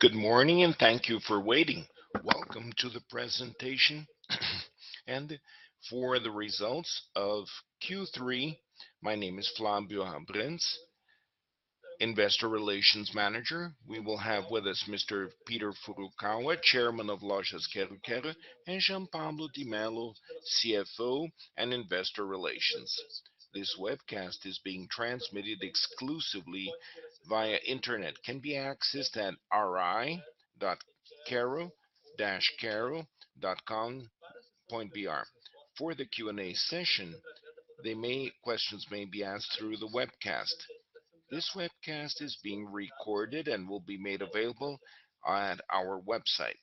Good morning, and thank you for waiting. Welcome to the presentation and for the results of Q3. My name is Flávio Abrantes, Investor Relations Manager. We will have with us Mr. Peter Furukawa, Chairman of Lojas Quero-Quero, and Jean Pablo de Mello, CFO and Investor Relations. This webcast is being transmitted exclusively via internet. Can be accessed at ri.quero-quero.com.br. For the Q&A session, questions may be asked through the webcast. This webcast is being recorded and will be made available at our website.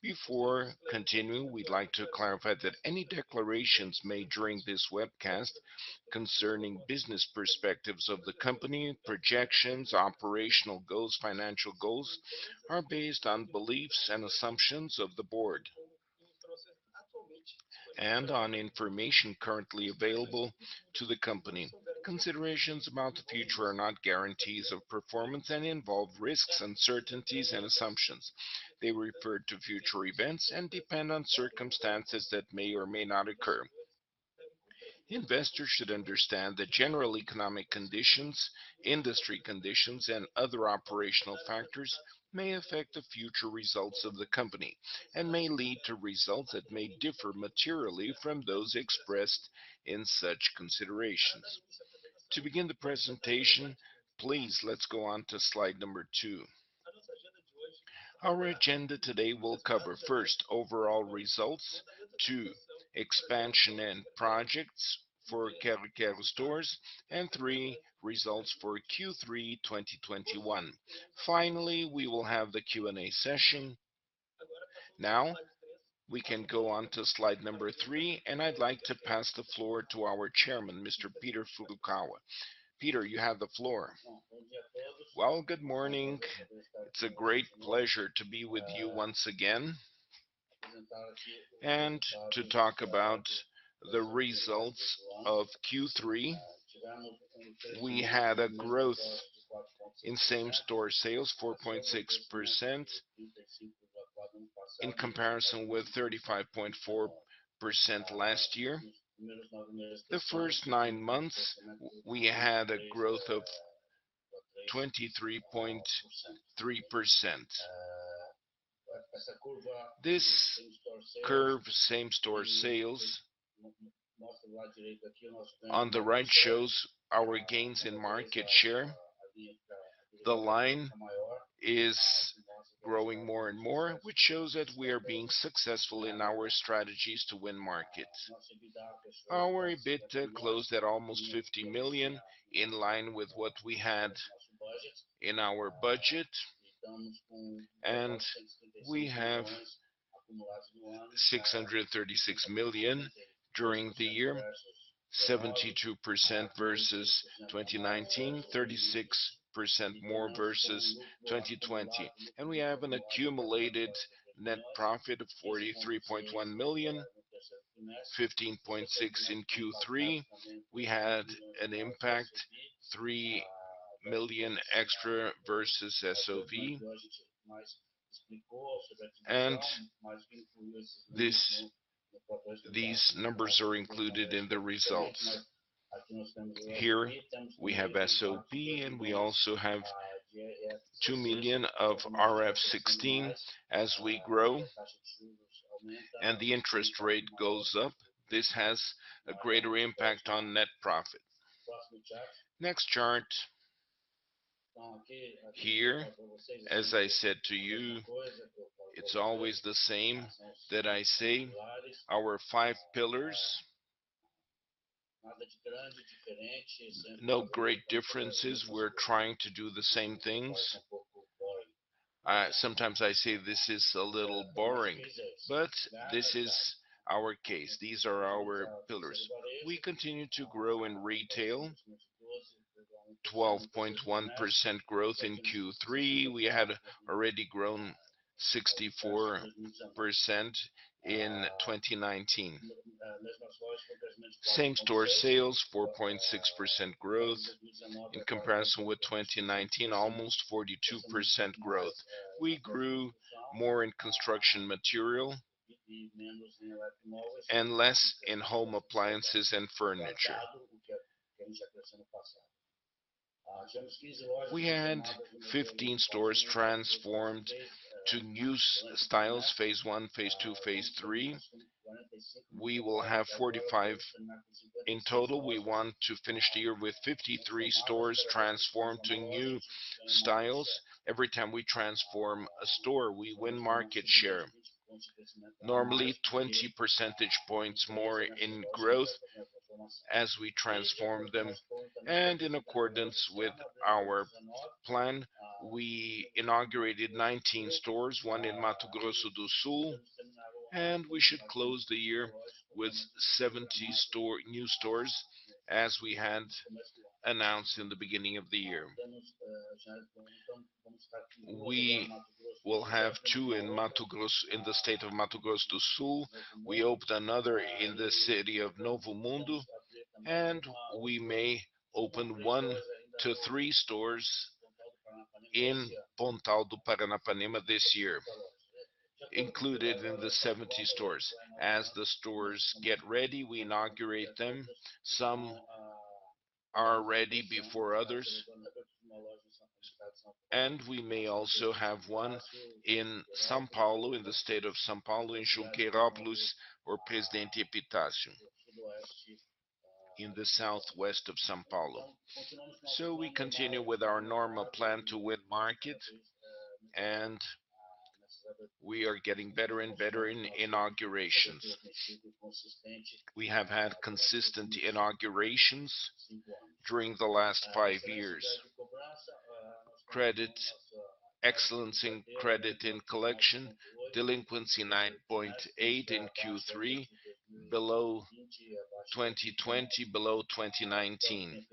Before continuing, we'd like to clarify that any declarations made during this webcast concerning business perspectives of the company, projections, operational goals, financial goals, are based on beliefs and assumptions of the board and on information currently available to the company. Considerations about the future are not guarantees of performance and involve risks, uncertainties, and assumptions. They refer to future events and depend on circumstances that may or may not occur. Investors should understand that general economic conditions, industry conditions, and other operational factors may affect the future results of the company and may lead to results that may differ materially from those expressed in such considerations. To begin the presentation, please, let's go on to slide number two. Our agenda today will cover first overall results, two, expansion and projects for Quero-Quero stores, and three, results for Q3 2021. Finally, we will have the Q&A session. Now we can go on to slide number three, and I'd like to pass the floor to our Chairman, Mr. Peter Furukawa. Peter, you have the floor. Well, good morning. It's a great pleasure to be with you once again and to talk about the results of Q3. We had a growth in same-store sales, 4.6%, in comparison with 35.4% last year. The first nine months, we had a growth of 23.3%. This same-store sales curve on the right shows our gains in market share. The line is growing more and more, which shows that we are being successful in our strategies to win markets. Our EBITDA closed at almost 50 million, in line with what we had in our budget. We have 636 million during the year, 72% versus 2019, 36% more versus 2020. We have an accumulated net profit of 43.1 million, 15.6 million in Q3. We had an impact, 3 million extra versus SOV. These numbers are included in the results. Here we have SOV, and we also have 2 million of IFRS 16. As we grow and the interest rate goes up, this has a greater impact on net profit. Next chart. Here, as I said to you, it's always the same that I say, our five pillars. No great differences. We're trying to do the same things. Sometimes I say this is a little boring, but this is our case. These are our pillars. We continue to grow in retail. 12.1% growth in Q3. We had already grown 64% in 2019. Same-store sales, 4.6% growth. In comparison with 2019, almost 42% growth. We grew more in construction material and less in home appliances and furniture. We had 15 stores transformed to new styles, phase one, phase two, phase three. We will have 45 in total. We want to finish the year with 53 stores transformed to new styles. Every time we transform a store, we win market share. Normally, 20 percentage points more in growth as we transform them. In accordance with our p-plan, we inaugurated 19 stores, one in Mato Grosso do Sul, and we should close the year with 70 new stores as we had announced in the beginning of the year. We'll have two in Mato Grosso, in the state of Mato Grosso do Sul. We opened another in the city of Mundo Novo, and we may open 1-3 stores in Pontal do Paranapanema this year included in the 70 stores. As the stores get ready, we inaugurate them. Some are ready before others. We may also have one in São Paulo, in the state of São Paulo, in Junqueirópolis or Presidente Epitácio in the southwest of São Paulo. We continue with our normal plan to win market, and we are getting better and better in inaugurations. We have had consistent inaugurations during the last five years. Credit excellence in credit and collection. Delinquency 9.8% in Q3, below 2020, below 2019.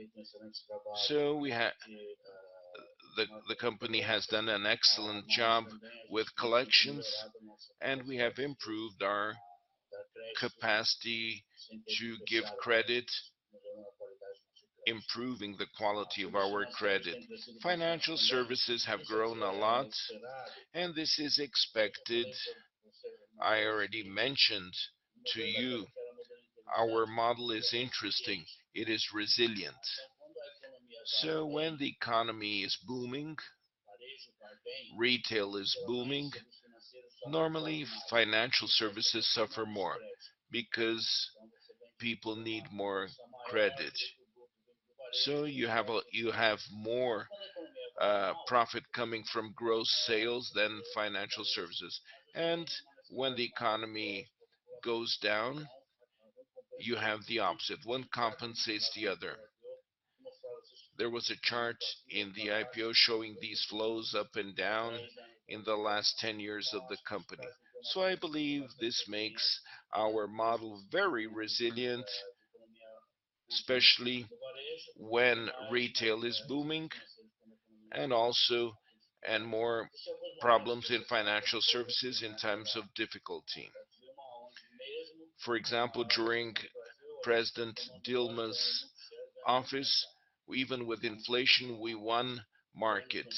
The company has done an excellent job with collections, and we have improved our capacity to give credit, improving the quality of our credit. Financial services have grown a lot, and this is expected. I already mentioned to you our model is interesting. It is resilient. When the economy is booming, retail is booming, normally financial services suffer more because people need more credit. You have more profit coming from gross sales than financial services. When the economy goes down, you have the opposite. One compensates the other. There was a chart in the IPO showing these flows up and down in the last 10 years of the company. I believe this makes our model very resilient, especially when retail is booming and more problems in financial services in times of difficulty. For example, during President Dilma's office, even with inflation, we won market.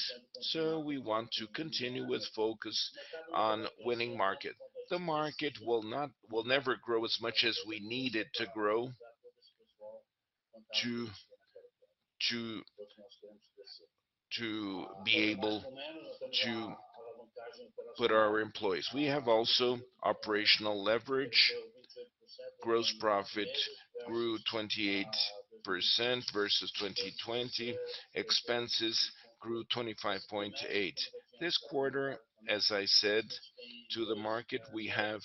We want to continue with focus on winning market. The market will never grow as much as we need it to grow to be able to put our employees. We have also operational leverage. Gross profit grew 28% versus 2020. Expenses grew 25.8%. This quarter, as I said to the market, we have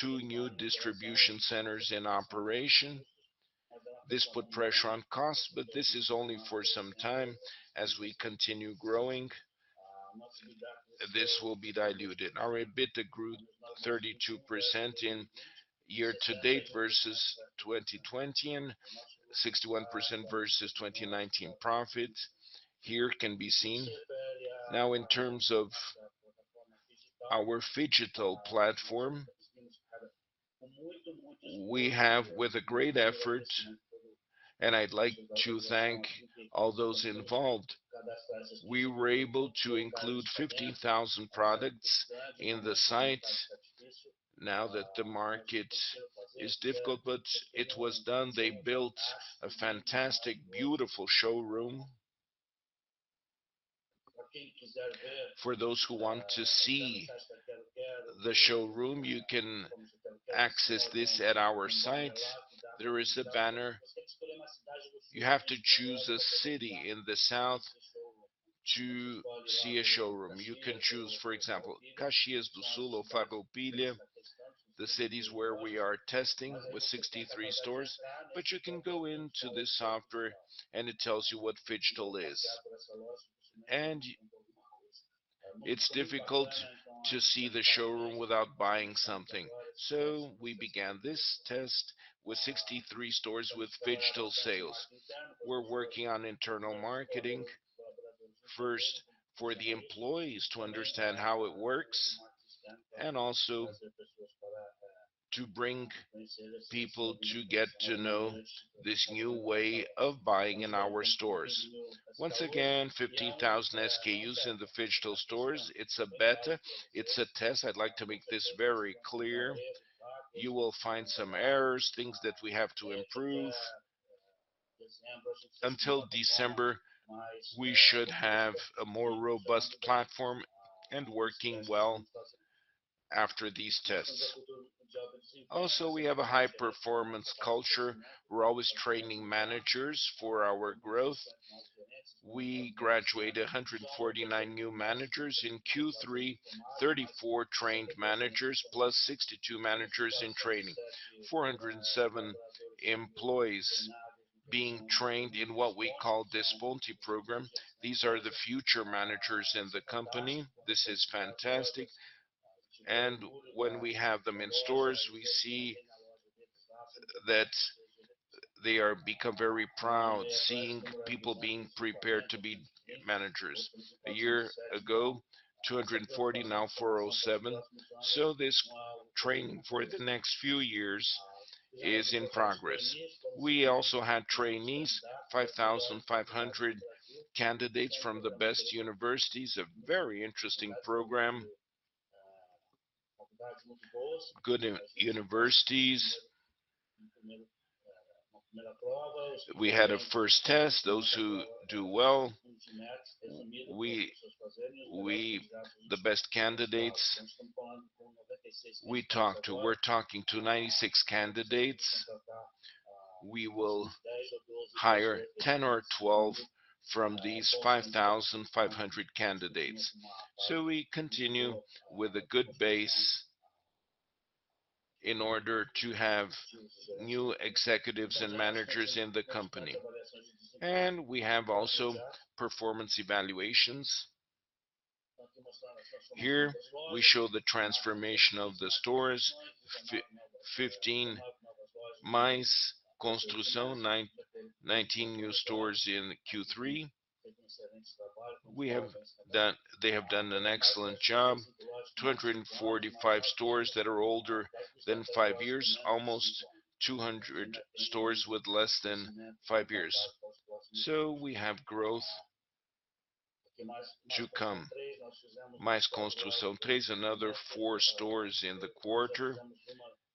two new distribution centers in operation. This put pressure on costs, but this is only for some time. As we continue growing, this will be diluted. Our EBITDA grew 32% year-to-date versus 2020 and 61% versus 2019 profit. Here can be seen. Now, in terms of our phygital platform, we have with a great effort, and I'd like to thank all those involved. We were able to include 15,000 products in the site now that the market is difficult, but it was done. They built a fantastic, beautiful showroom. For those who want to see the showroom, you can access this at our site. There is a banner. You have to choose a city in the south to see a showroom. You can choose, for example, Caxias do Sul or Farroupilha, the cities where we are testing with 63 stores. You can go into the software and it tells you what phygital is. It's difficult to see the showroom without buying something. We began this test with 63 stores with phygital sales. We're working on internal marketing, first for the employees to understand how it works and also to bring people to get to know this new way of buying in our stores. Once again, 15,000 SKUs in the phygital stores. It's a beta. It's a test. I'd like to make this very clear. You will find some errors, things that we have to improve. Until December, we should have a more robust platform and working well after these tests. We have a high-performance culture. We're always training managers for our growth. We graduated 149 new managers in Q3, 34 trained managers, plus 62 managers in training. 407 employees being trained in what we call this Volty program. These are the future managers in the company. This is fantastic. When we have them in stores, we see that they have become very proud seeing people being prepared to be managers. A year ago, 240, now 407. This training for the next few years is in progress. We also had trainees, 5,500 candidates from the best universities. A very interesting program. Good universities. We had a first test. Those who do well, the best candidates we talk to. We're talking to 96 candidates. We will hire 10 or 12 from these 5,500 candidates. We continue with a good base in order to have new executives and managers in the company. We have also performance evaluations. Here we show the transformation of the stores. 15 Mais Construção, 19 new stores in Q3. They have done an excellent job. 245 stores that are older than five years. Almost 200 stores with less than five years. We have growth to come. Mais Construção três, another four stores in the quarter,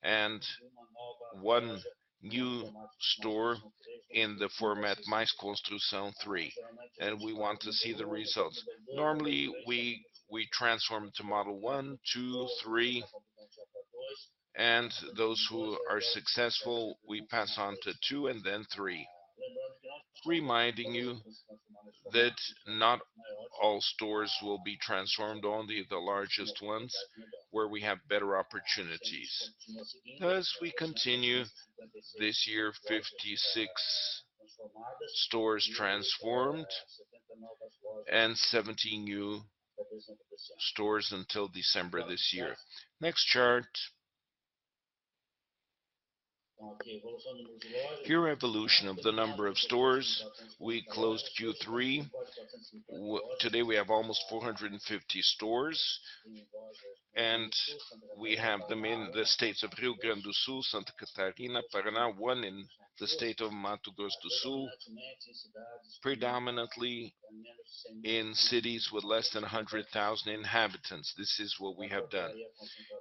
and one new store in the format Mais Construção três, and we want to see the results. Normally, we transform to model one, two, three, and those who are successful, we pass on to two and then three. Reminding you that not all stores will be transformed, only the largest ones where we have better opportunities. As we continue this year, 56 stores transformed and 17 new stores until December this year. Next chart. Here evolution of the number of stores. We closed Q3. Today we have almost 450 stores, and we have them in the states of Rio Grande do Sul, Santa Catarina, Paraná, one in the state of Mato Grosso do Sul, predominantly in cities with less than 100,000 inhabitants. This is what we have done.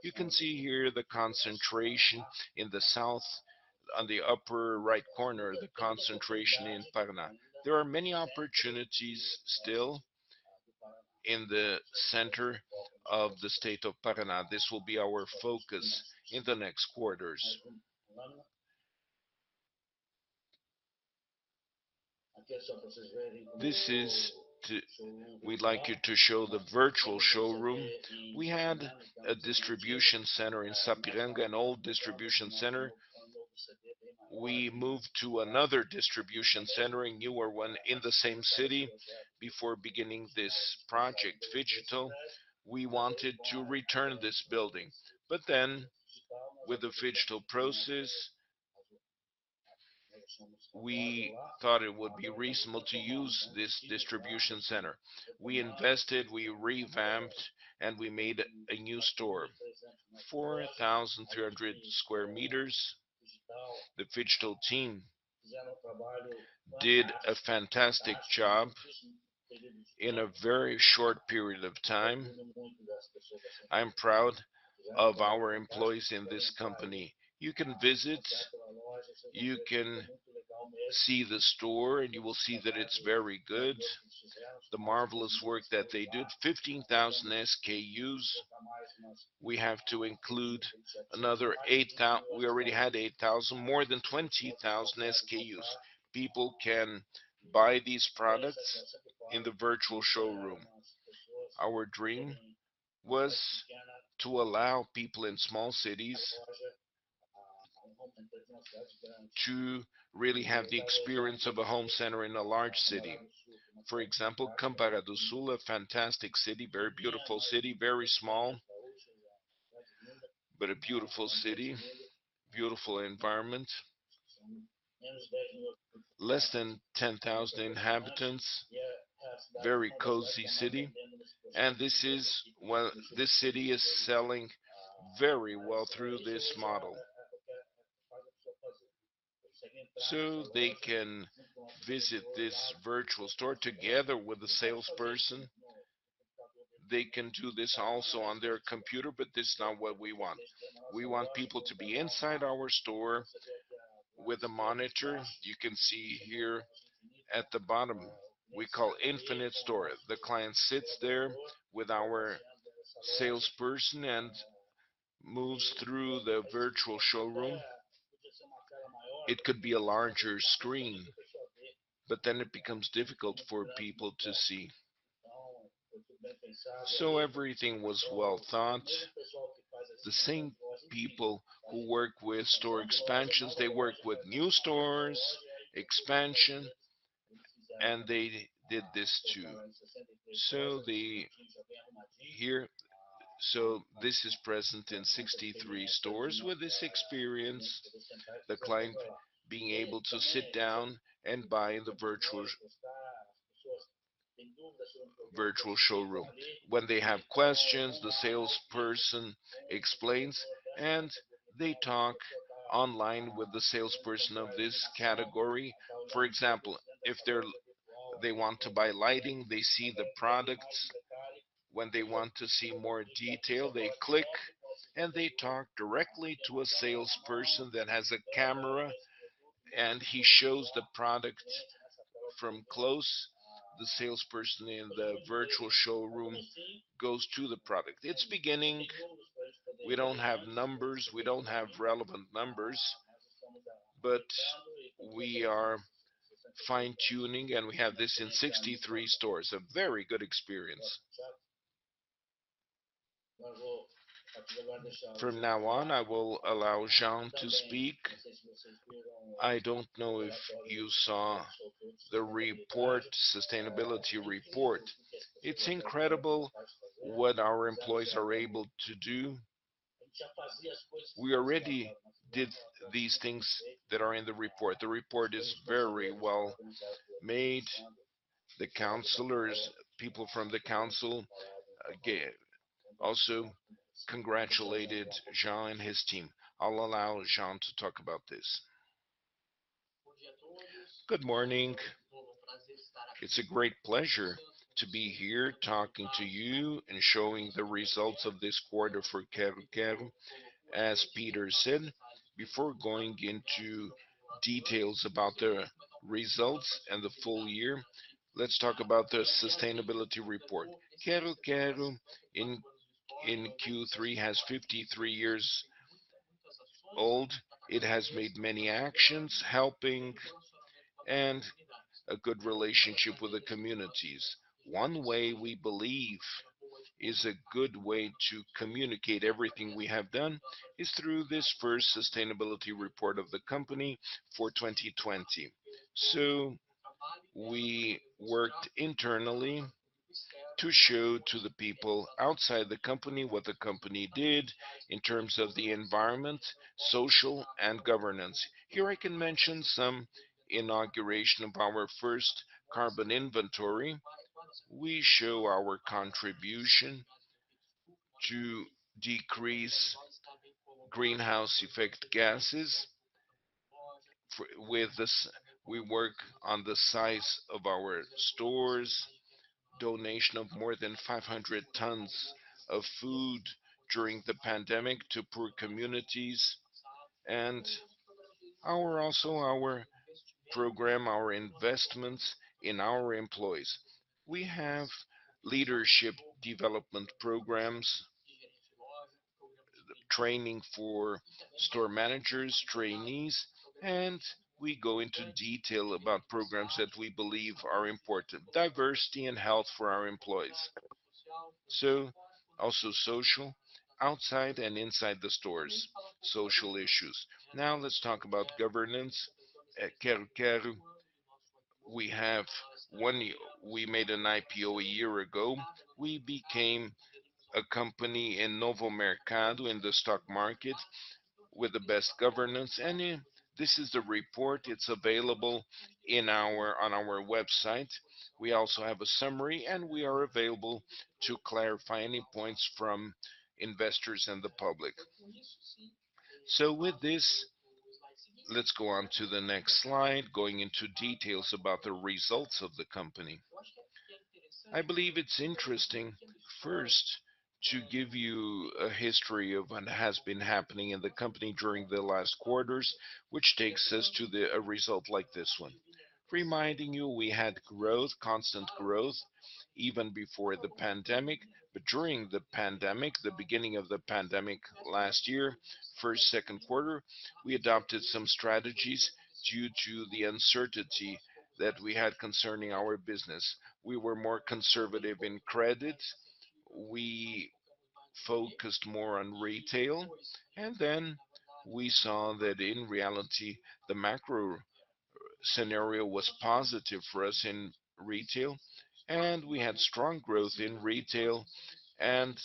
You can see here the concentration in the south. On the upper right corner, the concentration in Paraná. There are many opportunities still in the center of the state of Paraná. We'd like you to show the virtual showroom. We had a distribution center in Sapiranga, an old distribution center. We moved to another distribution center, a newer one in the same city. Before beginning this project phygital, we wanted to return this building. With the phygital process, we thought it would be reasonable to use this distribution center. We invested, we revamped, and we made a new store, 4,300 sq m. The phygital team did a fantastic job in a very short period of time. I'm proud of our employees in this company. You can visit, you can see the store, and you will see that it's very good, the marvelous work that they did. 15,000 SKUs. We have to include another 8,000. We already had 8,000. More than 20,000 SKUs. People can buy these products in the virtual showroom. Our dream was to allow people in small cities to really have the experience of a home center in a large city. For example, Campo do Sul, a fantastic city, very beautiful city, very small, but a beautiful city, beautiful environment, less than 10,000 inhabitants, very cozy city. This city is selling very well through this model. They can visit this virtual store together with the salesperson. They can do this also on their computer, but this is not what we want. We want people to be inside our store with a monitor. You can see here at the bottom, we call Infinita store. The client sits there with our salesperson and moves through the virtual showroom. It could be a larger screen, but then it becomes difficult for people to see. Everything was well thought. The same people who work with store expansions, they work with new stores expansion. They did this too. This is present in 63 stores with this experience, the client being able to sit down and buy in the virtual showroom. When they have questions, the salesperson explains, and they talk online with the salesperson of this category. For example, if they want to buy lighting, they see the products. When they want to see more detail, they click, and they talk directly to a salesperson that has a camera, and he shows the product from close. The salesperson in the virtual showroom goes to the product. It's beginning. We don't have numbers. We don't have relevant numbers, but we are fine-tuning, and we have this in 63 stores. A very good experience. From now on, I will allow Jean to speak. I don't know if you saw the report, sustainability report. It's incredible what our employees are able to do. We already did these things that are in the report. The report is very well made. The councilors, people from the council also congratulated Jean and his team. I'll allow Jean to talk about this. Good morning. It's a great pleasure to be here talking to you and showing the results of this quarter for Quero-Quero. As Peter said, before going into details about the results and the full year, let's talk about the sustainability report. Quero-Quero in Q3 has 53 years old. It has made many actions helping and a good relationship with the communities. One way we believe is a good way to communicate everything we have done is through this first sustainability report of the company for 2020. We worked internally to show to the people outside the company what the company did in terms of the environment, social, and governance. Here I can mention some inauguration of our first carbon inventory. We show our contribution to decrease greenhouse gases. With this, we work on the size of our stores, donation of more than 500 tons of food during the pandemic to poor communities, and also our program, our investments in our employees. We have leadership development programs, training for store managers, trainees, and we go into detail about programs that we believe are important, diversity and health for our employees. Also social outside and inside the stores, social issues. Now let's talk about governance at Quero-Quero. We made an IPO a year ago. We became a company in Novo Mercado in the stock market with the best governance. This is the report. It's available on our website. We also have a summary, and we are available to clarify any points from investors and the public. With this, let's go on to the next slide, going into details about the results of the company. I believe it's interesting first to give you a history of what has been happening in the company during the last quarters, which takes us to a result like this one. Reminding you, we had growth, constant growth even before the pandemic. During the pandemic, the beginning of the pandemic last year, first, second quarter, we adopted some strategies due to the uncertainty that we had concerning our business. We were more conservative in credit. We focused more on retail. We saw that in reality, the macro scenario was positive for us in retail, and we had strong growth in retail and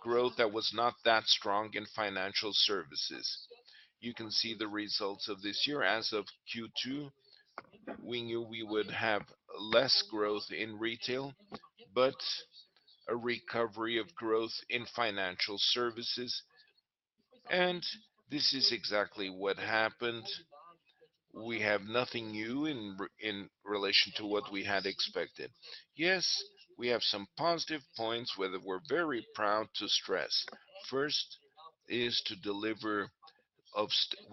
growth that was not that strong in financial services. You can see the results of this year. As of Q2, we knew we would have less growth in retail but a recovery of growth in financial services. This is exactly what happened. We have nothing new in relation to what we had expected. Yes, we have some positive points where we're very proud to stress. First, we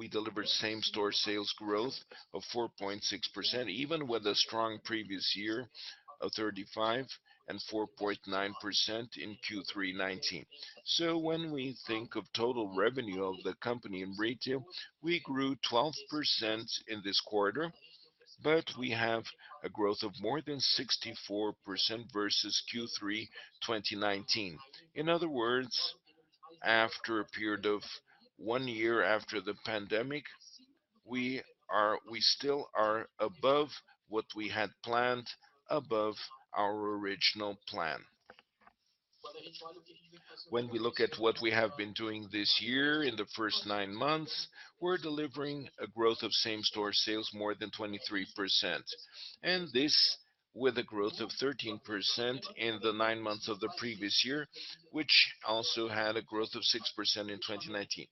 delivered same-store sales growth of 4.6%, even with a strong previous year of 35.4% in Q3 2019. When we think of total revenue of the company in retail, we grew 12% in this quarter, but we have a growth of more than 64% versus Q3 2019. In other words, after a period of one year after the pandemic, we still are above what we had planned, above our original plan. When we look at what we have been doing this year in the first nine months, we're delivering a growth of same-store sales more than 23%, and this with a growth of 13% in the nine months of the previous year, which also had a growth of 6% in 2019.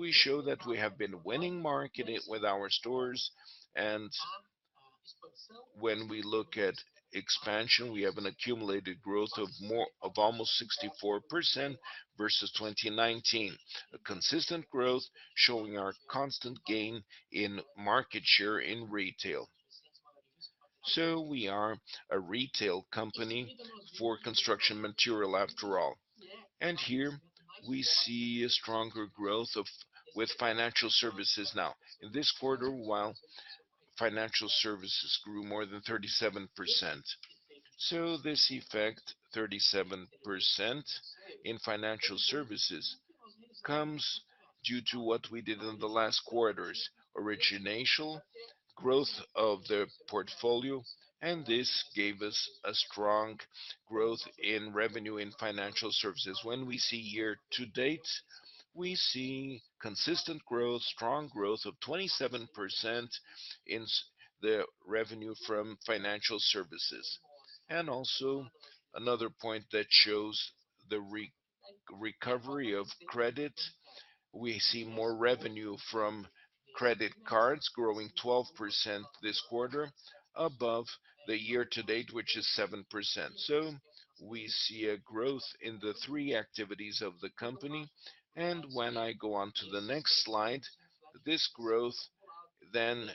We show that we have been winning market share with our stores, and when we look at expansion, we have an accumulated growth of almost 64% versus 2019. A consistent growth showing our constant gain in market share in retail. We are a retail company for construction material after all. Here we see a stronger growth with financial services now. In this quarter, while financial services grew more than 37%. This effect, 37% in financial services, comes due to what we did in the last quarters: origination, growth of the portfolio, and this gave us a strong growth in revenue in financial services. When we see year to date, we see consistent growth, strong growth of 27% in the revenue from financial services. Also another point that shows the recovery of credit, we see more revenue from credit cards growing 12% this quarter above the year to date, which is 7%. We see a growth in the three activities of the company, and when I go on to the next slide, this growth then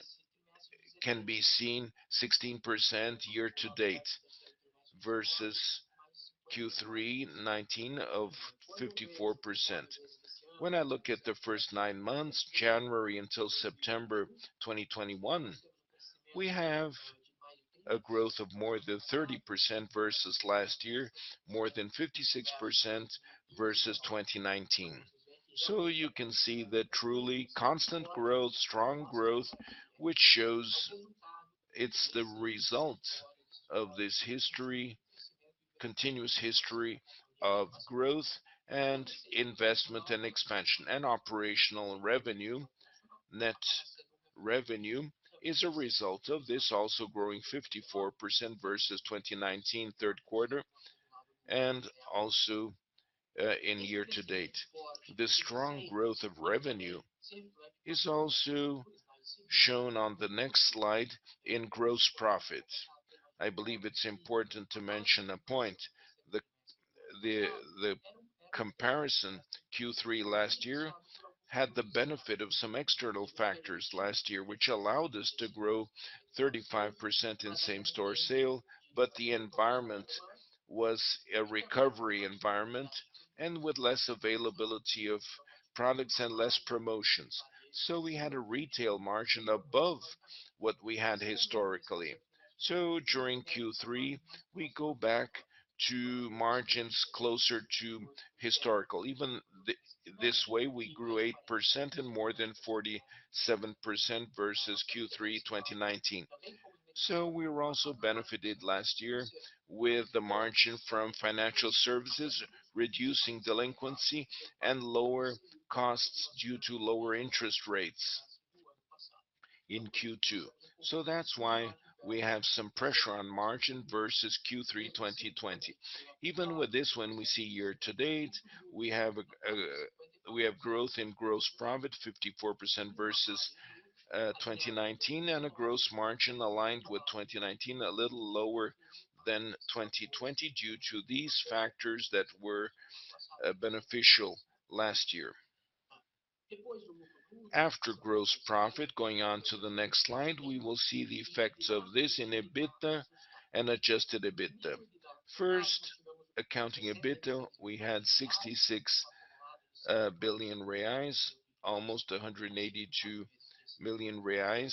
can be seen 16% year to date versus Q3 2019 of 54%. When I look at the first nine months, January until September 2021, we have a growth of more than 30% versus last year, more than 56% versus 2019. You can see that truly constant growth, strong growth, which shows it's the result of this history, continuous history of growth and investment and expansion. Operational revenue, net revenue is a result of this also growing 54% versus 2019 third quarter and also in year to date. The strong growth of revenue is also shown on the next slide in gross profit. I believe it's important to mention a point. The comparison Q3 last year had the benefit of some external factors last year, which allowed us to grow 35% in same-store sales, but the environment was a recovery environment and with less availability of products and less promotions. We had a retail margin above what we had historically. During Q3, we go back to margins closer to historical. Even this way, we grew 8% and more than 47% versus Q3 2019. We were also benefited last year with the margin from financial services reducing delinquency and lower costs due to lower interest rates in Q2. That's why we have some pressure on margin versus Q3 2020. Even with this one, we see year to date, we have growth in gross profit 54% versus 2019 and a gross margin aligned with 2019, a little lower than 2020 due to these factors that were beneficial last year. After gross profit, going on to the next slide, we will see the effects of this in EBITDA and adjusted EBITDA. First, accounting EBITDA, we had 66 billion reais, almost 182 million reais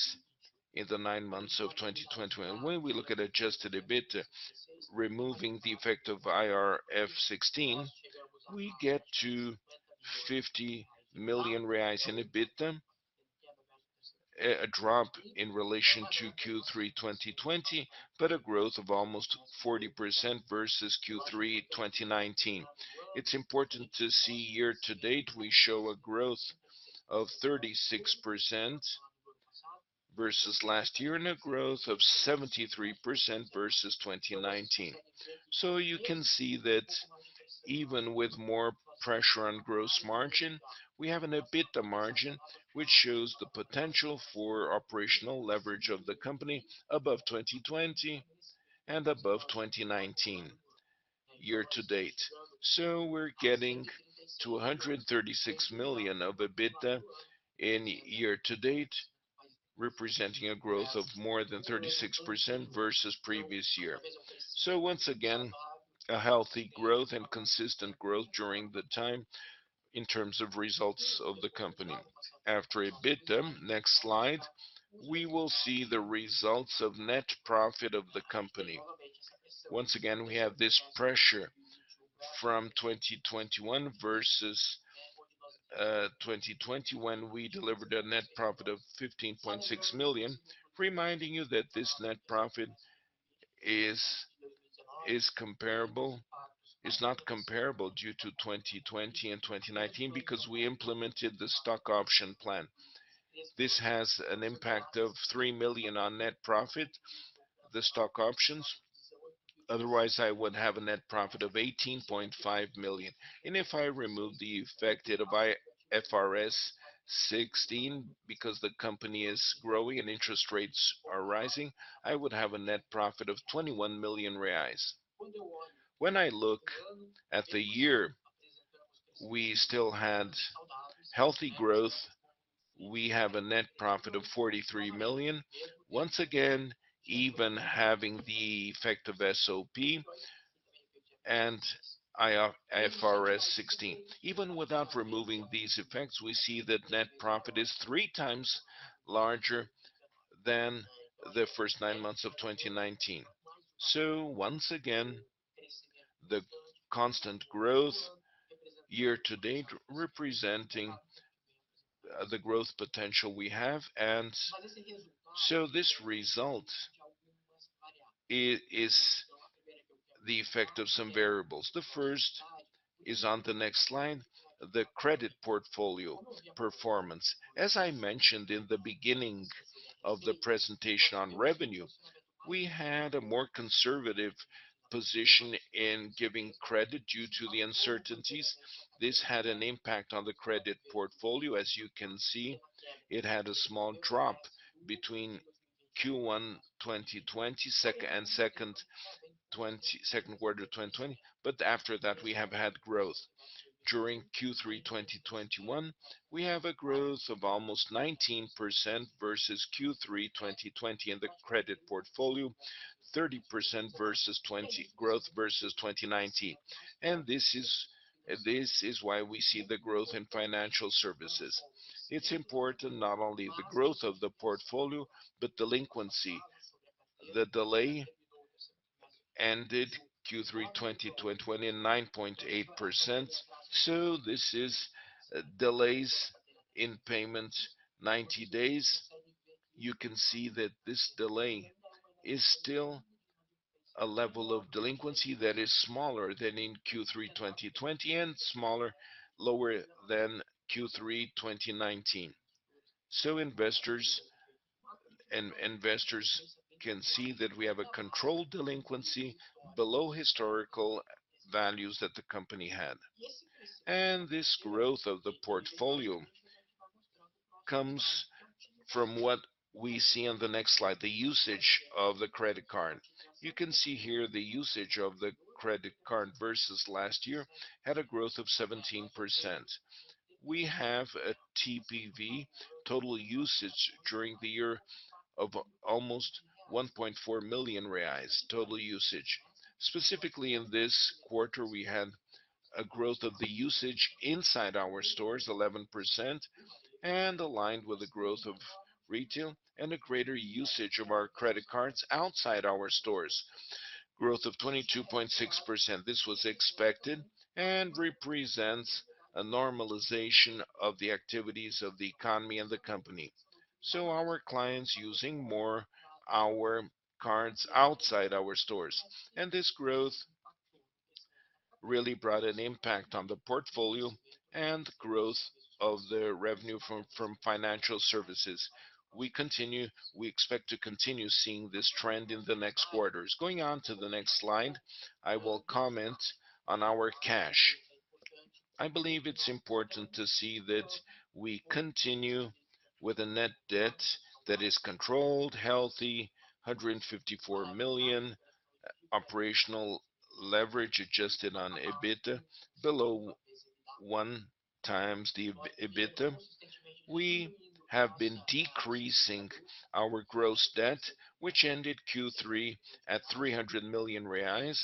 in the nine months of 2020. When we look at adjusted EBITDA, removing the effect of IFRS 16, we get to 50 million reais in EBITDA, a drop in relation to Q3 2020, but a growth of almost 40% versus Q3 2019. It's important to see year to date, we show a growth of 36% versus last year and a growth of 73% versus 2019. You can see that even with more pressure on gross margin, we have an EBITDA margin which shows the potential for operational leverage of the company above 2020 and above 2019 year to date. We're getting to 136 million of EBITDA in year to date, representing a growth of more than 36% versus previous year. Once again, a healthy growth and consistent growth during the time in terms of results of the company. After EBITDA, next slide, we will see the results of net profit of the company. Once again, we have this pressure from 2021 versus 2020 when we delivered a net profit of 15.6 million. Reminding you that this net profit is not comparable due to 2020 and 2019 because we implemented the stock option plan. This has an impact of 3 million on net profit, the stock options. Otherwise, I would have a net profit of 18.5 million. If I remove the effect of IFRS 16 because the company is growing and interest rates are rising, I would have a net profit of 21 million reais. When I look at the year, we still had healthy growth. We have a net profit of 43 million. Once again, even having the effect of SOP and IFRS 16. Even without removing these effects, we see that net profit is three times larger than the first nine months of 2019. Once again, the constant growth year to date representing the growth potential we have. This result is the effect of some variables. The first is on the next slide, the credit portfolio performance. As I mentioned in the beginning of the presentation on revenue, we had a more conservative position in giving credit due to the uncertainties. This had an impact on the credit portfolio. As you can see, it had a small drop between Q1 2020 and second quarter 2020, but after that we have had growth. During Q3 2021, we have a growth of almost 19% versus Q3 2020 in the credit portfolio, 30% versus 2019. This is why we see the growth in financial services. It's important not only the growth of the portfolio, but delinquency. The delay ended Q3 2020 in 9.8%. This is delays in payments 90 days. You can see that this delay is still a level of delinquency that is smaller than in Q3 2020 and smaller, lower than Q3 2019. Investors can see that we have a controlled delinquency below historical values that the company had. This growth of the portfolio comes from what we see on the next slide, the usage of the credit card. You can see here the usage of the credit card versus last year had a growth of 17%. We have a TPV total usage during the year of almost 1.4 million reais total usage. Specifically in this quarter, we had a growth of the usage inside our stores 11% and aligned with the growth of retail and a greater usage of our credit cards outside our stores. Growth of 22.6%. This was expected and represents a normalization of the activities of the economy and the company. Our clients using more of our cards outside our stores. This growth really brought an impact on the portfolio and growth of the revenue from financial services. We expect to continue seeing this trend in the next quarters. Going on to the next slide, I will comment on our cash. I believe it's important to see that we continue with a net debt that is controlled, healthy, 154 million. Operational leverage adjusted on EBIT below 1x the EBIT. We have been decreasing our gross debt, which ended Q3 at 300 million reais.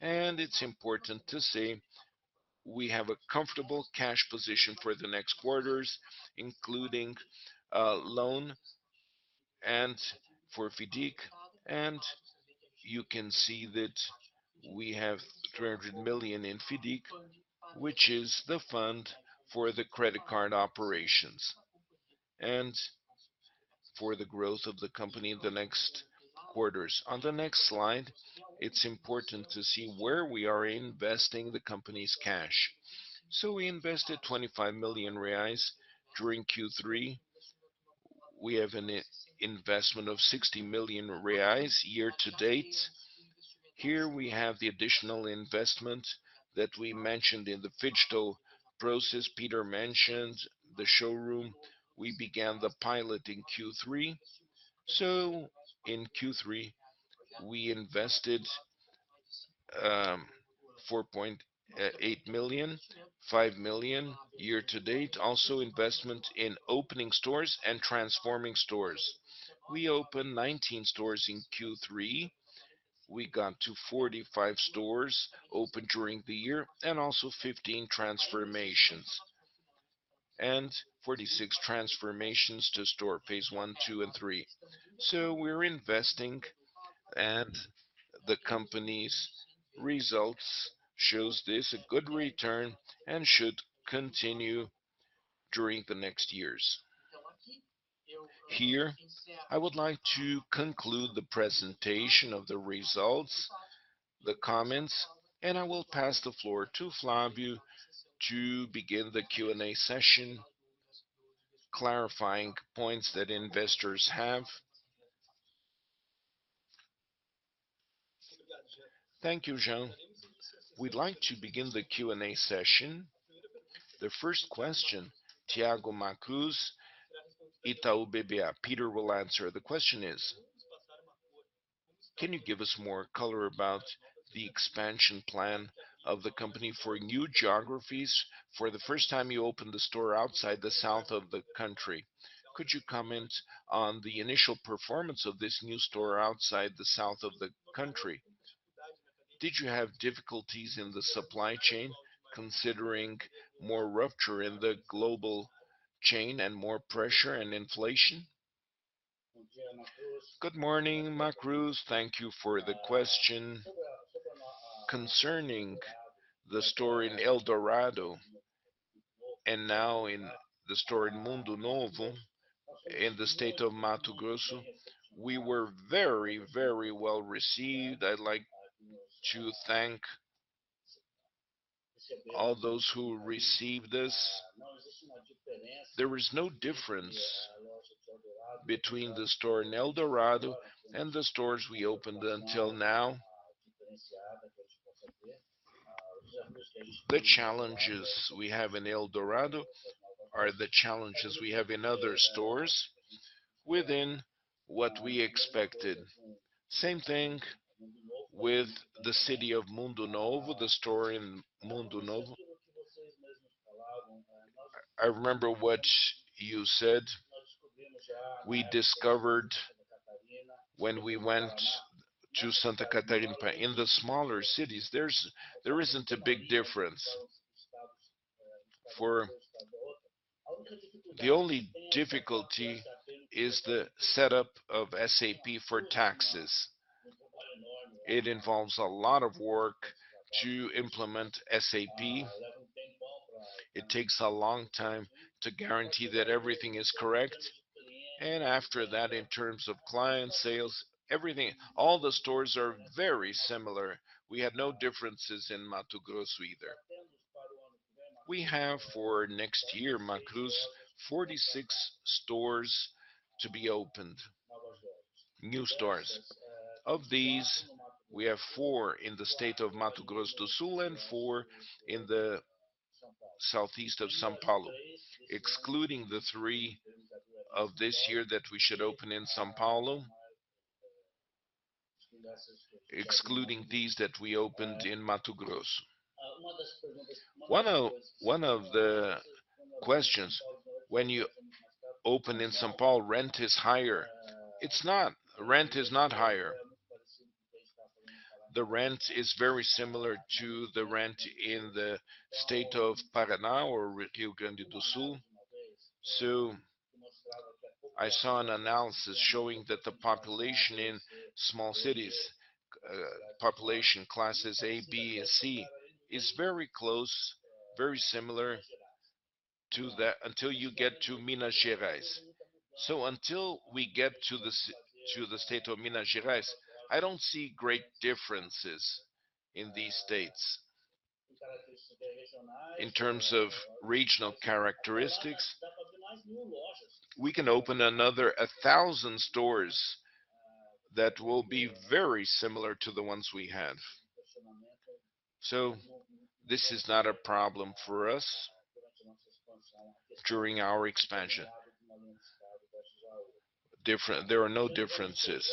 It's important to say we have a comfortable cash position for the next quarters, including loans for FIDC. You can see that we have 300 million in FIDC, which is the fund for the credit card operations and for the growth of the company in the next quarters. On the next slide, it's important to see where we are investing the company's cash. We invested 25 million reais during Q3. We have an investment of 60 million reais year to date. Here we have the additional investment that we mentioned in the phygital process. Peter mentioned the showroom. We began the pilot in Q3. In Q3 we invested 4.8 million, 5 million year to date. Also investment in opening stores and transforming stores. We opened 19 stores in Q3. We got to 45 stores open during the year, and also 15 transformations, and 46 transformations to store phase one, two, and three. We're investing. And the company's results shows this, a good return, and should continue during the next years. Here, I would like to conclude the presentation of the results, the comments, and I will pass the floor to Flávio to begin the Q&A session, clarifying points that investors have. Thank you, Jean. We'd like to begin the Q&A session. The first question, Thiago Macruz, Itaú BBA. Peter will answer. The question is: Can you give us more color about the expansion plan of the company for new geographies? For the first time you opened the store outside the south of the country. Could you comment on the initial performance of this new store outside the south of the country? Did you have difficulties in the supply chain considering more rupture in the global chain and more pressure and inflation? Good morning, Macruz. Thank you for the question. Concerning the store in Eldorado and now in the store in Mundo Novo in the state of Mato Grosso do Sul, we were very, very well-received. I'd like to thank all those who received this. There is no difference between the store in Eldorado and the stores we opened until now. The challenges we have in Eldorado are the challenges we have in other stores within what we expected. Same thing with the city of Mundo Novo, the store in Mundo Novo. I remember what you said. We discovered when we went to Santa Catarina, in the smaller cities, there isn't a big difference. For the only difficulty is the setup of SAP for taxes. It involves a lot of work to implement SAP. It takes a long time to guarantee that everything is correct. After that, in terms of client sales, everything all the stores are very similar. We have no differences in Mato Grosso either. We have for next year, Macruz, 46 stores to be opened, new stores. Of these, we have four in the state of Mato Grosso do Sul and four in the southeast of São Paulo, excluding the three of this year that we should open in São Paulo, excluding these that we opened in Mato Grosso. One of the questions when you open in São Paulo, rent is higher. It's not. Rent is not higher. The rent is very similar to the rent in the state of Paraná or Rio Grande do Sul. I saw an analysis showing that the population in small cities, population classes A, B, and C is very close, very similar until you get to Minas Gerais. Until we get to the state of Minas Gerais, I don't see great differences in these states. In terms of regional characteristics, we can open another 1,000 stores that will be very similar to the ones we have. This is not a problem for us during our expansion. There are no differences.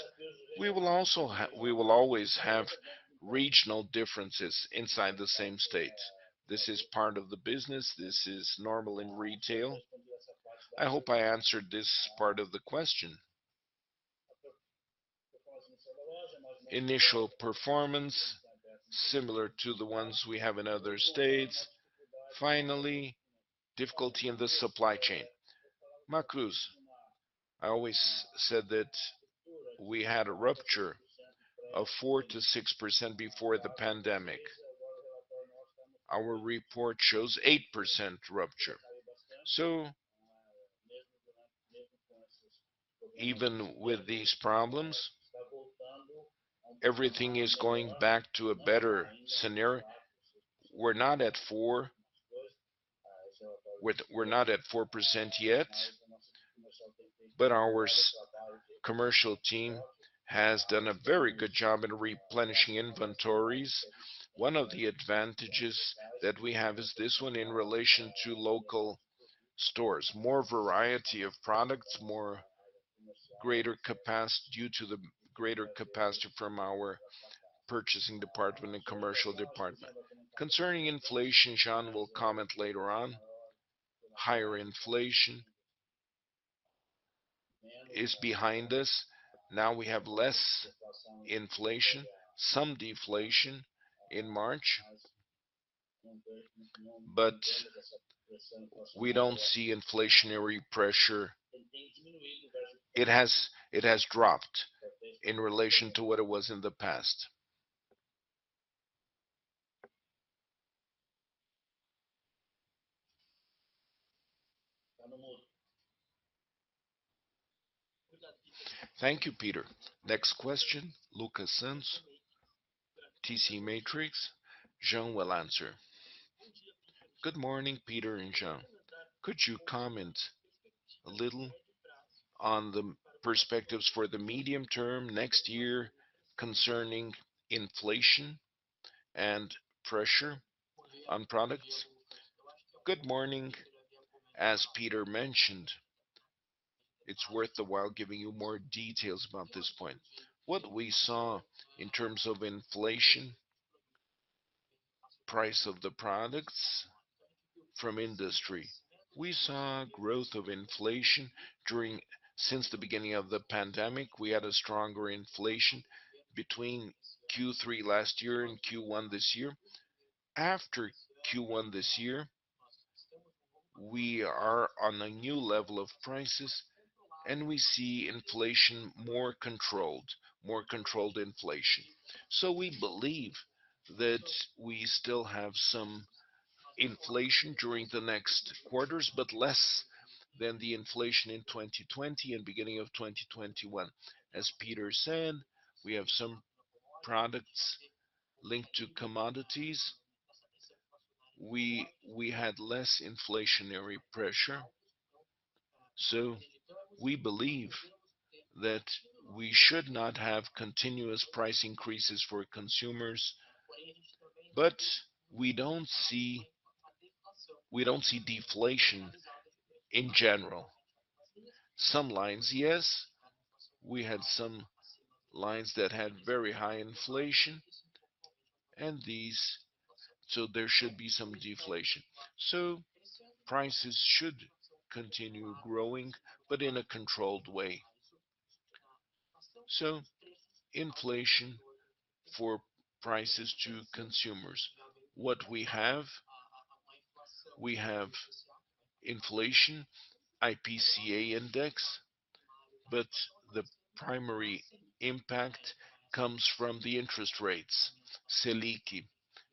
We will always have regional differences inside the same state. This is part of the business. This is normal in retail. I hope I answered this part of the question. Initial performance similar to the ones we have in other states. Finally, difficulty in the supply chain. Thiago Macruz, I always said that we had a rupture of 4%-6% before the pandemic. Our report shows 8% rupture. Even with these problems, everything is going back to a better scenario. We're not at 4%. We're not at 4% yet, but our commercial team has done a very good job in replenishing inventories. One of the advantages that we have is this one in relation to local stores. More variety of products, more greater capacity due to the greater capacity from our purchasing department and commercial department. Concerning inflation, Jean will comment later on. Higher inflation is behind us. Now we have less inflation, some deflation in March. But we don't see inflationary pressure. It has dropped in relation to what it was in the past. Thank you, Peter. Next question, Malik Zein, TC Matrix. Jean will answer. Good morning, Peter and Jean. Could you comment a little on the perspectives for the medium term next year concerning inflation and pressure on products? Good morning. As Peter mentioned, it's worth the while giving you more details about this point. What we saw in terms of inflation, price of the products from industry. We saw growth of inflation. Since the beginning of the pandemic, we had a stronger inflation between Q3 last year and Q1 this year. After Q1 this year, we are on a new level of prices, and we see more controlled inflation. We believe that we still have some inflation during the next quarters, but less than the inflation in 2020 and beginning of 2021. As Peter said, we have some products linked to commodities. We had less inflationary pressure, so we believe that we should not have continuous price increases for consumers, but we don't see deflation in general. Some lines, yes. We had some lines that had very high inflation and these. There should be some deflation. Prices should continue growing, but in a controlled way. Inflation for prices to consumers. What we have inflation IPCA index, but the primary impact comes from the interest rates, Selic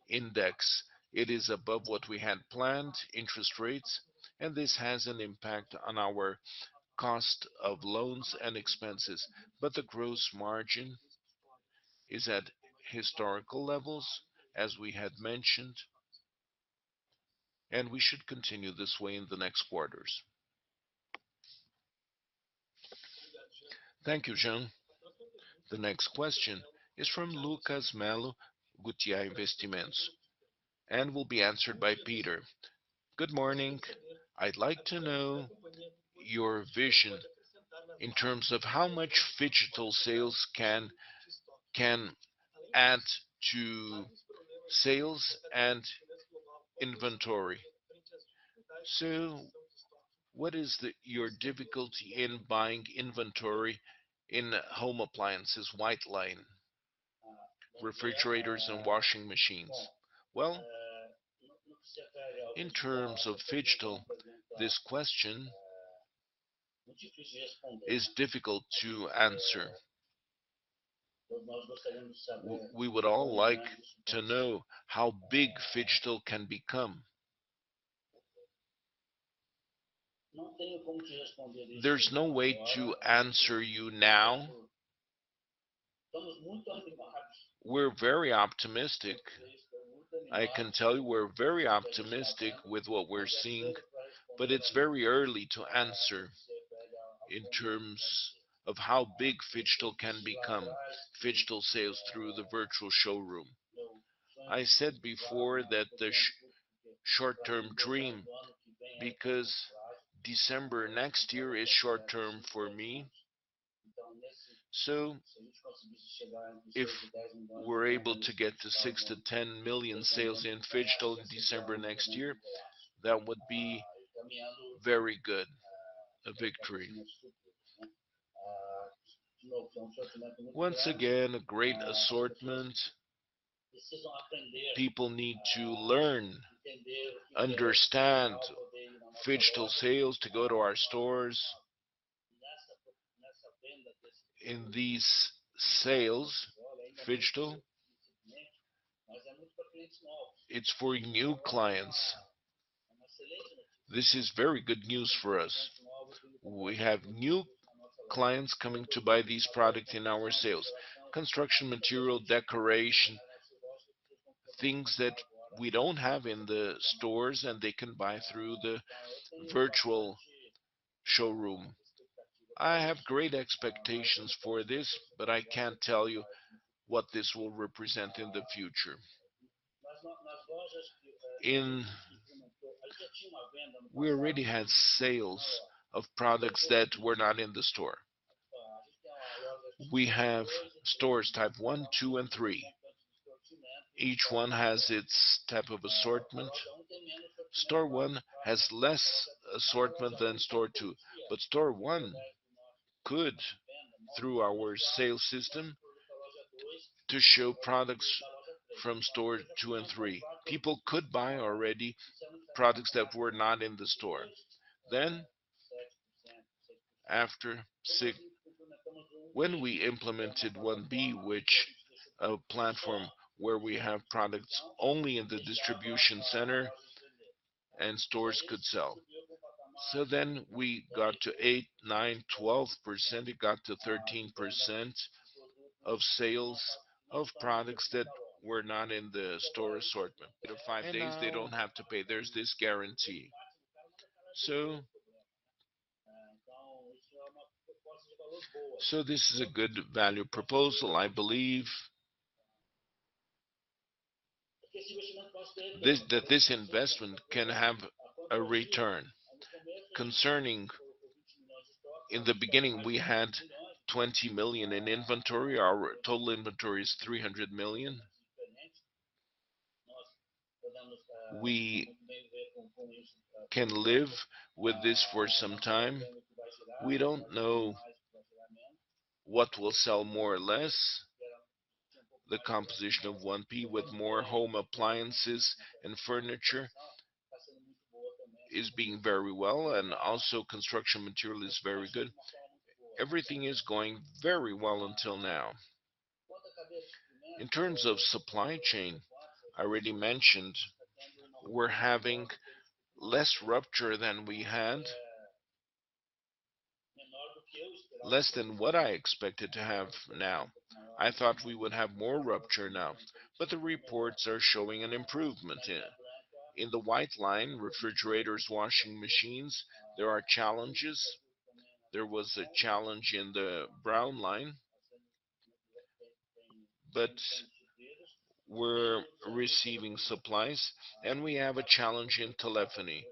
index. It is above what we had planned interest rates, and this has an impact on our cost of loans and expenses. But the gross margin is at historical levels, as we had mentioned, and we should continue this way in the next quarters. Thank you, Jean. The next question is from Lucas Melo, GWI Investimentos, and will be answered by Peter. Good morning. I'd like to know your vision in terms of how much phygital sales can add to sales and inventory. What is your difficulty in buying inventory in home appliances, white line, refrigerators and washing machines? Well, in terms of phygital, this question is difficult to answer. We would all like to know how big phygital can become. There's no way to answer you now. We're very optimistic. I can tell you we're very optimistic with what we're seeing, but it's very early to answer in terms of how big phygital can become. Phygital sales through the virtual showroom. I said before that the short term dream, because December next year is short term for me. If we're able to get to 6 million-10 million sales in phygital December next year, that would be very good, a victory. Once again, a great assortment. People need to learn, understand phygital sales to go to our stores. In these sales, phygital, it's for new clients. This is very good news for us. We have new clients coming to buy these products in our sales. Construction material, decoration, things that we don't have in the stores, and they can buy through the virtual showroom. I have great expectations for this, but I can't tell you what this will represent in the future. We already had sales of products that were not in the store. We have stores type 1, 2, and 3. Each one has its type of assortment. Store 1 has less assortment than store 2, but store 1 could, through our sales system, to show products from store 2 and 3. People could buy already products that were not in the store. When we implemented 1P, which is a platform where we have products only in the distribution center and stores could sell. We got to 8%, 9%, 12%. It got to 13% of sales of products that were not in the store assortment. Five days they don't have to pay. There's this guarantee. So this is a good value proposal. I believe that this investment can have a return. In the beginning, we had 20 million in inventory. Our total inventory is 300 million. We can live with this for some time. We don't know what will sell more or less. The composition of 1P with more home appliances and furniture is being very well, and also construction material is very good. Everything is going very well until now. In terms of supply chain, I already mentioned we're having less rupture than we had. Less than what I expected to have now. I thought we would have more rupture now, but the reports are showing an improvement in the white line, refrigerators, washing machines, there are challenges. There was a challenge in the brown line, but we're receiving supplies, and we have a challenge in telephony.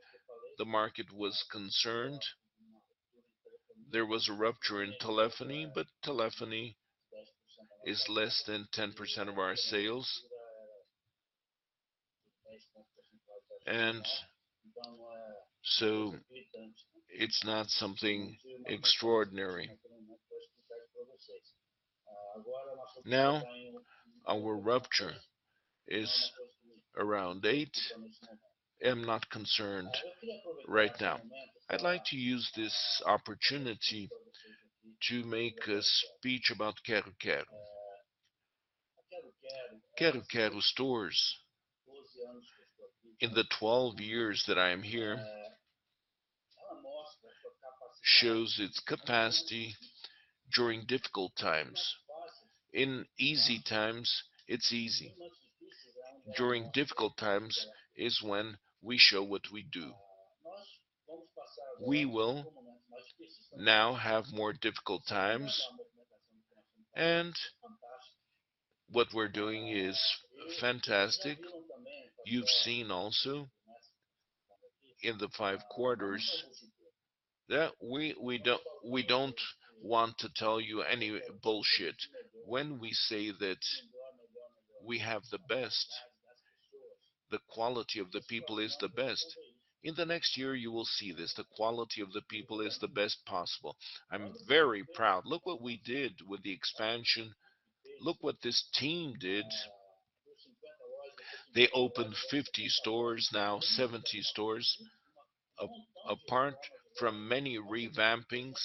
The market was concerned. There was a rupture in telephony, but telephony is less than 10% of our sales. It's not something extraordinary. Now, our rupture is around 8%. I'm not concerned right now. I'd like to use this opportunity to make a speech about Quero-Quero. Quero-Quero stores, in the 12 years that I am here, shows its capacity during difficult times. In easy times, it's easy. During difficult times is when we show what we do. We will now have more difficult times, and what we're doing is fantastic. You've seen also in the five quarters that we don't want to tell you any bullshit when we say that we have the best, the quality of the people is the best. In the next year, you will see this. The quality of the people is the best possible. I'm very proud. Look what we did with the expansion. Look what this team did. They opened 50 stores, now 70 stores. Apart from many revampings,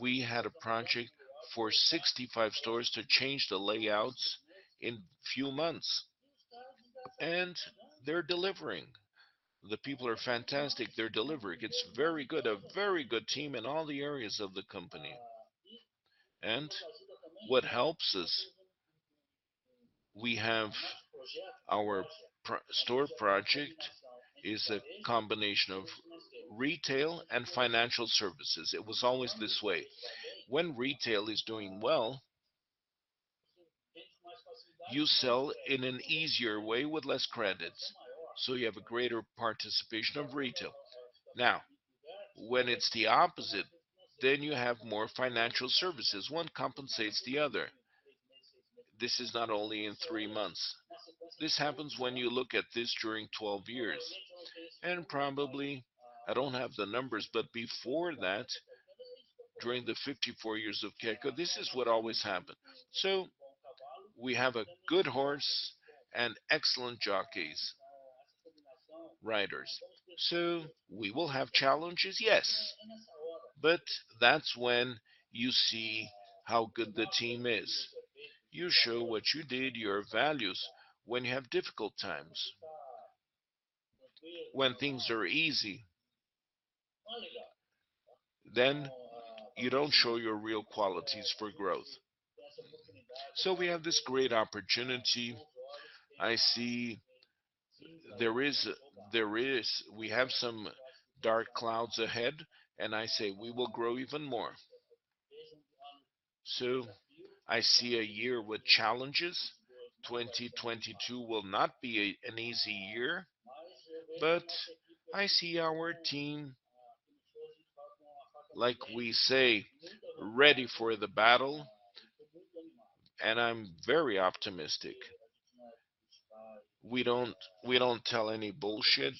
we had a project for 65 stores to change the layouts in few months, and they're delivering. The people are fantastic. They're delivering. It's very good. A very good team in all the areas of the company. What helps is we have our store project is a combination of retail and financial services. It was always this way. When retail is doing well, you sell in an easier way with less credits, so you have a greater participation of retail. Now, when it's the opposite, then you have more financial services. One compensates the other. This is not only in three months. This happens when you look at this during 12 years. Probably, I don't have the numbers, but before that, during the 54 years of Quero, this is what always happened. We have a good horse and excellent jockeys, riders. We will have challenges? Yes. That's when you see how good the team is. You show what you did, your values, when you have difficult times. When things are easy, then you don't show your real qualities for growth. We have this great opportunity. I see there is. We have some dark clouds ahead, and I say we will grow even more. I see a year with challenges. 2022 will not be an easy year, but I see our team, like we say, ready for the battle, and I'm very optimistic. We don't tell any bullshit.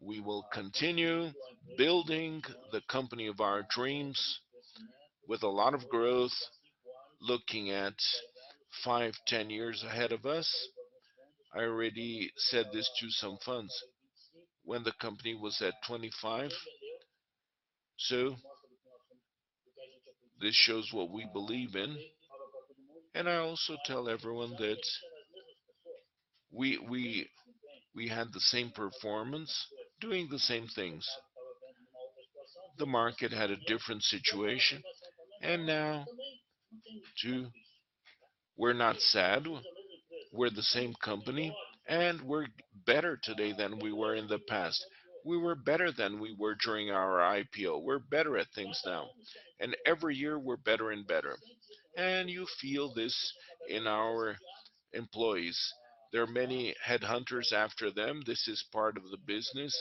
We will continue building the company of our dreams with a lot of growth, looking at five, 10 years ahead of us. I already said this to some funds when the company was at 25. This shows what we believe in. I also tell everyone that we had the same performance doing the same things. The market had a different situation, and now we're not sad. We're the same company, and we're better today than we were in the past. We were better than we were during our IPO. We're better at things now, and every year we're better and better. You feel this in our employees. There are many headhunters after them. This is part of the business.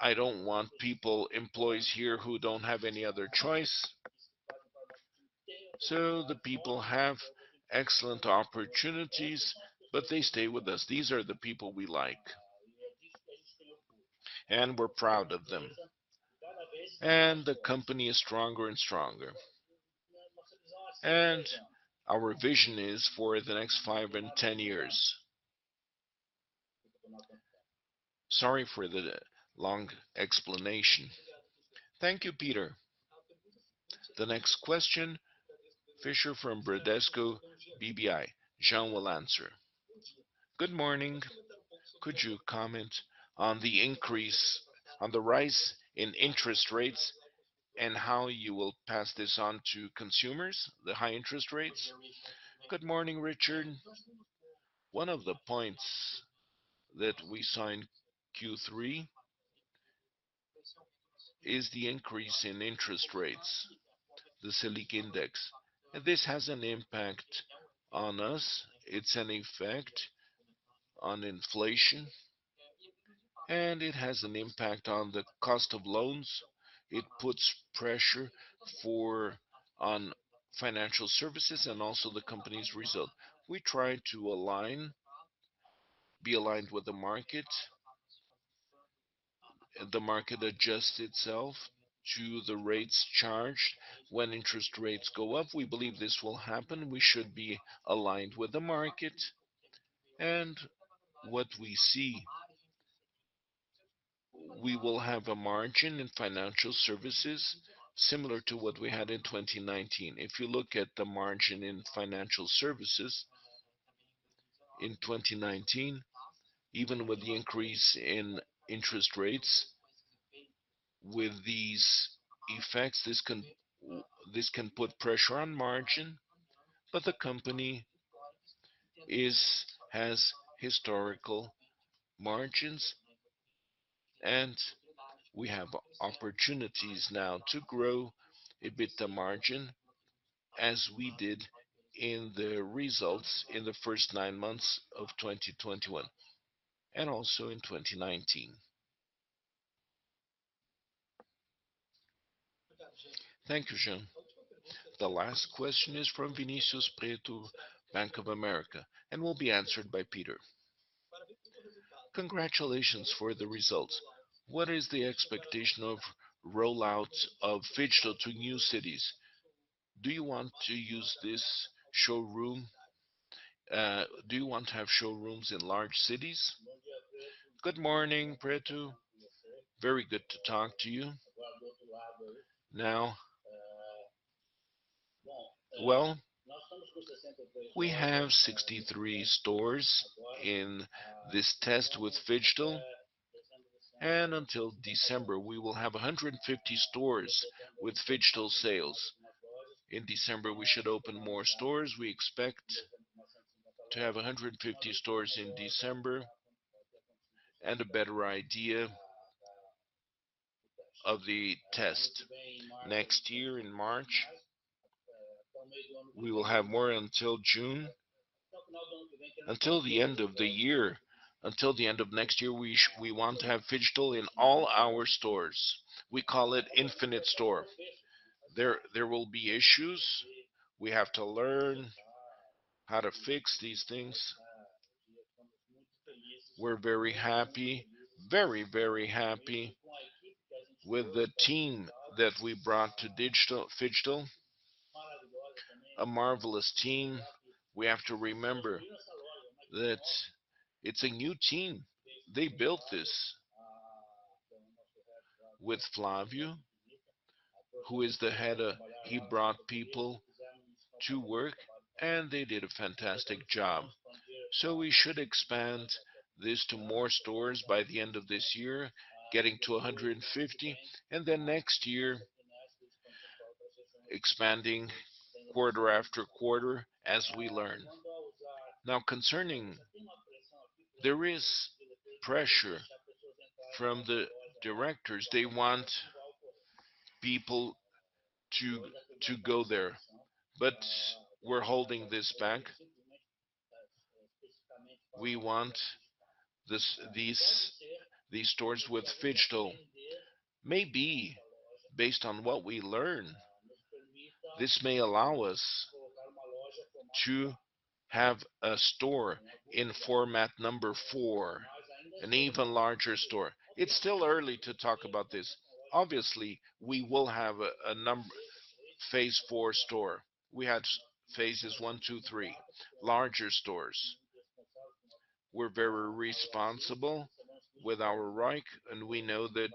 I don't want people, employees here who don't have any other choice. The people have excellent opportunities, but they stay with us. These are the people we like, and we're proud of them. The company is stronger and stronger. Our vision is for the next five and 10 years. Sorry for the long explanation. Thank you, Peter Furukawa. The next question, Felipe Cassimiro from Bradesco BBI. Jean Pablo de Mello will answer. Good morning. Could you comment on the rise in interest rates and how you will pass this on to consumers, the high interest rates? Good morning, Felipe. One of the points that we saw in Q3 is the increase in interest rates, the Selic index. This has an impact on us. It's an effect on inflation, and it has an impact on the cost of loans. It puts pressure on financial services and also the company's result. We try to align with the market. The market adjusts itself to the rates charged. When interest rates go up, we believe this will happen. We should be aligned with the market. What we see, we will have a margin in financial services similar to what we had in 2019. If you look at the margin in financial services in 2019, even with the increase in interest rates, with these effects, this can put pressure on margin. But the company has historical margins, and we have opportunities now to grow EBITDA margin as we did in the results in the first nine months of 2021 and also in 2019. Thank you, Jean. The last question is from Vinicius Pretto, Bank of America, and will be answered by Peter. Congratulations for the results. What is the expectation of rollouts of phygital to new cities? Do you want to use this showroom? Do you want to have showrooms in large cities? Good morning, Pretto. Very good to talk to you. Now, well, we have 63 stores in this test with phygital, and until December, we will have 150 stores with phygital sales. In December, we should open more stores. We expect to have 150 stores in December and a better idea of the test next year in March. We will have more until June. Until the end of next year, we want to have phygital in all our stores. We call it Loja Infinita. There will be issues. We have to learn how to fix these things. We're very happy, very, very happy with the team that we brought to phygital. A marvelous team. We have to remember that it's a new team. They built this with Flávio, who is the head of. He brought people to work, and they did a fantastic job. We should expand this to more stores by the end of this year, getting to 150, and then next year expanding quarter after quarter as we learn. Now, concerning, there is pressure from the directors. They want people to go there, but we're holding this back. We want these stores with phygital, maybe based on what we learn. This may allow us to have a store in format number four, an even larger store. It's still early to talk about this. Obviously, we will have a phase four store. We had phases one, two, three, larger stores. We're very responsible with our ROIC, and we know that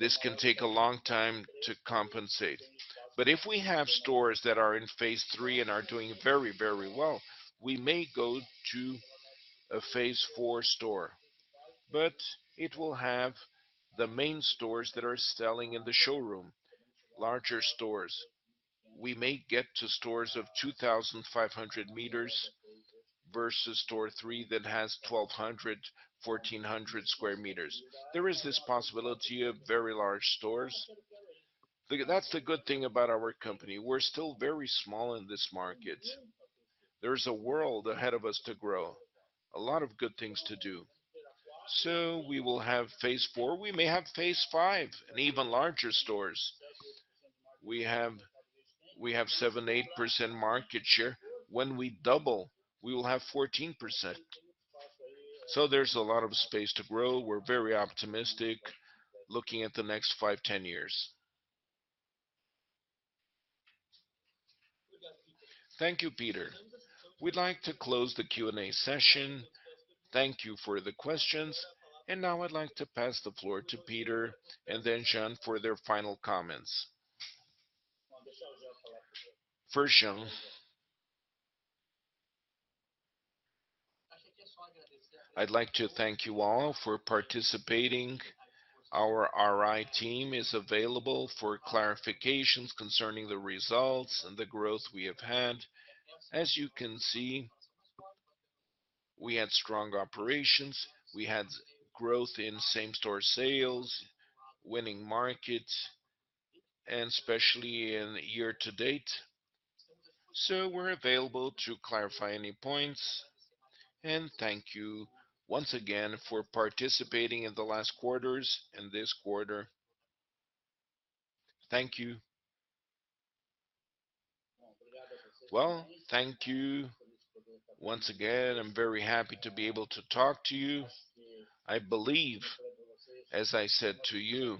this can take a long time to compensate. If we have stores that are in phase three and are doing very, very well, we may go to a phase four store. It will have the main stores that are selling in the showroom, larger stores. We may get to stores of 2,500 m versus store three that has 1,200-1,400 sq m. There is this possibility of very large stores. That's the good thing about our company. We're still very small in this market. There is a world ahead of us to grow, a lot of good things to do. We will have phase four. We may have phase five and even larger stores. We have 7%-8% market share. When we double, we will have 14%. There's a lot of space to grow. We're very optimistic looking at the next 5-10 years. Thank you, Peter. We'd like to close the Q&A session. Thank you for the questions. Now I'd like to pass the floor to Peter and then Jean for their final comments. I'd like to thank you all for participating. Our RI team is available for clarifications concerning the results and the growth we have had. As you can see, we had strong operations. We had growth in same-store sales, winning markets, and especially in year to date. We're available to clarify any points. Thank you once again for participating in the last quarters and this quarter. Thank you. Well, thank you once again. I'm very happy to be able to talk to you. I believe, as I said to you,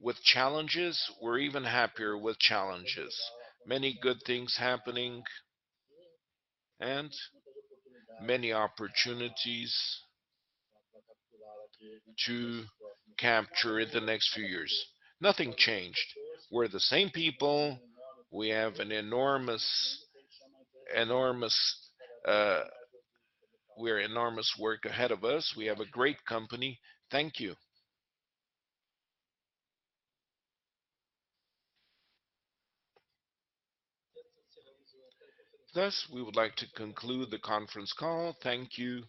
with challenges, we're even happier with challenges. Many good things happening and many opportunities to capture in the next few years. Nothing changed. We're the same people. We have enormous work ahead of us. We have a great company. Thank you. Thus, we would like to conclude the conference call. Thank you.